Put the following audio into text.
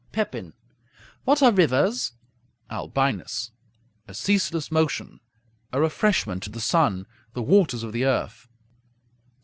Pepin What are rivers? Albinus A ceaseless motion; a refreshment to the sun; the waters of the earth.